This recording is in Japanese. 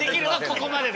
・ここまで。